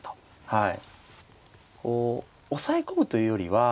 はい。